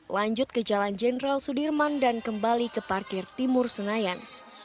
lanjut ke jalan jenderal sudirman dan kembali ke parkir timur senayan